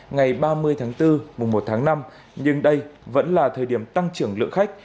ngày ba mươi tháng bốn mùa một tháng năm nhưng đây vẫn là thời điểm tăng trưởng lượng khách